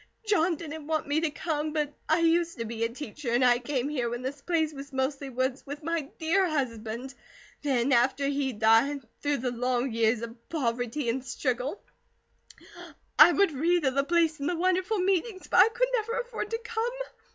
"John didn't want me to come. But I used to be a teacher, and I came here when this place was mostly woods, with my dear husband. Then after he died, through the long years of poverty and struggle, I would read of the place and the wonderful meetings, but I could never afford to come.